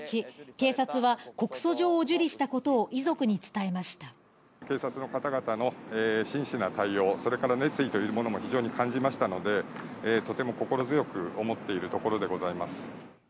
警察の方々の真摯な対応、それから熱意というものも非常に感じましたので、とても心強く思っているところでございます。